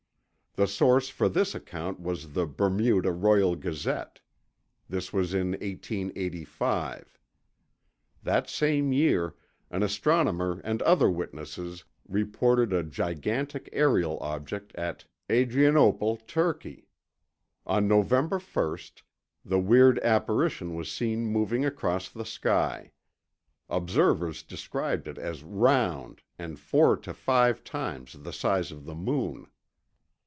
The source for this account was the Bermuda Royal Gazette. This was in 1885. That same year, an astronomer and other witnesses reported a gigantic aerial object at Adrianople, Turkey. On November 1, the weird apparition was seen moving across the sky. Observers described it as round and four to five times the size of the moon.